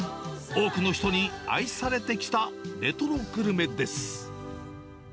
多くの人に愛されてきたレトログルメです。